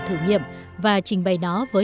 thử nghiệm và trình bày nó với